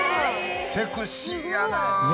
セクシーやな。